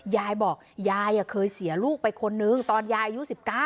ยายบอกยายเคยเสียลูกไปคนนึงตอนยายอายุ๑๙